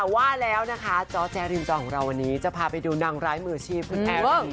ว่าแล้วนะคะจ้อแจ๊ริมจอของเราวันนี้จะพาไปดูนางร้ายมือชีพคุณแอริ